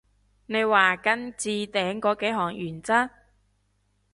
你話跟置頂嗰幾項原則？